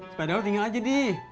sepeda lu tinggal aja di